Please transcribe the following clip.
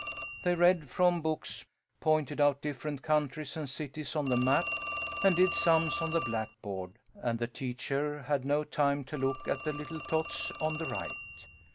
They read from books, pointed out different countries and cities on the map, and did sums on the blackboard, and the teacher had no time to look at the little tots on the right.